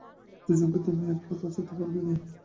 দুজনকেই তুমি একলা বাঁচাতে পারবে না।